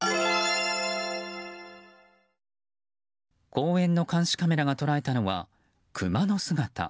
公園の監視カメラが捉えたのはクマの姿。